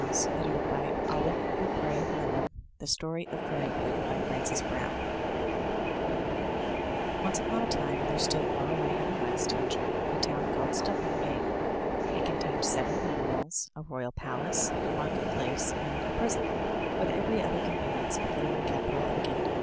— Joseph Rodman Drake II MY BOOK HOUSE THE STORY OF FAIRYFOOT* Frances Browne NCE upon a time there stood far away in the west country a town called Stumpinghame. It contained seven windmills, a royal palace, a market place, and a prison, with every other convenience .befitting the capital of a kingdom.